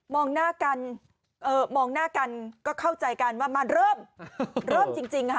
หน้ากันมองหน้ากันก็เข้าใจกันว่ามันเริ่มเริ่มจริงค่ะ